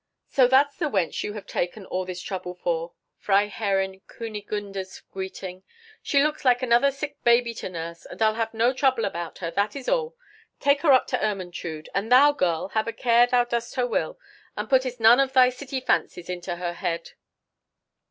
"So that's the wench you have taken all this trouble for," was Freiherrinn Kunigunde's greeting. "She looks like another sick baby to nurse; but I'll have no trouble about her;—that is all. Take her up to Ermentrude; and thou, girl, have a care thou dost her will, and puttest none of thy city fancies into her head."